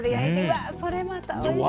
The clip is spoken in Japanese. わそれまたおいしそう。